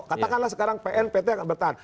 katakanlah sekarang pn pt akan bertahan